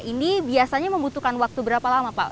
ini biasanya membutuhkan waktu berapa lama pak